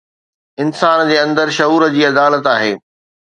انسان جي اندر شعور جي عدالت آهي